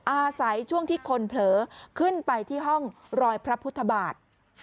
อาศัยช่วงที่คนเผลอขึ้นไปที่ห้องรอยพระพุทธบาท